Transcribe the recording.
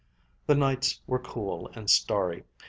The nights were cool and starry.